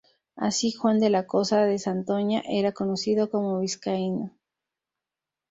Así, Juan de la Cosa, de Santoña, era conocido como vizcaíno.